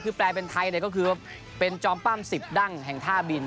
คือแปลเป็นไทยก็คือเป็นจอมปั้ม๑๐ดั้งแห่งท่าบิน